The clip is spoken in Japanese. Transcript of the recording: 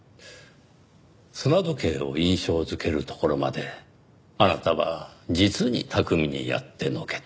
砂時計を印象づけるところまであなたは実に巧みにやってのけた。